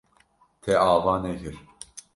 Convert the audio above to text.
Te ava nekir.